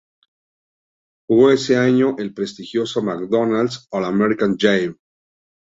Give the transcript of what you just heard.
Jugó ese año el prestigioso McDonald's All American Game.